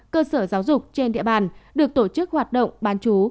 cơ sở giáo dục trên địa bàn được tổ chức hoạt động bán chú